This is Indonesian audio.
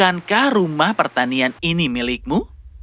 bukankah rumah pertanian ini milikmu